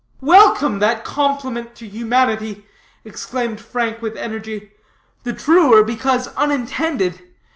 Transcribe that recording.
"Welcome, that compliment to humanity," exclaimed Frank with energy, "the truer because unintended.